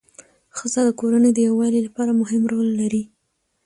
ښځه د کورنۍ د یووالي لپاره مهم رول لري